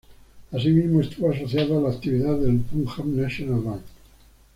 Asimismo estuvo asociado a las actividades del Punjab National Bank.